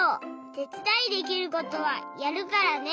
てつだいできることはやるからね。